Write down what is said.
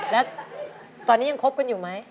แล้วตอนนี้ยังคบกันอยู่ไหม